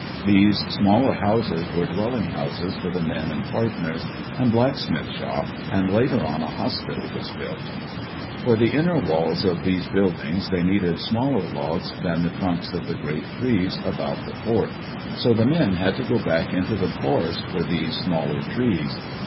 These smaller houses were dwelling houses for the men and partners, and blacksmith shop, and later on a hospital was built. For the inner walls of these buildings they needed smaller logs than the trunks of the great trees about the fort, so the men had to go back into the forest for these Digitized by CjOOQ IC EARLY DAYS IN OLD OREGON smaller trees.